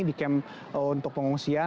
di kampung untuk pengungsian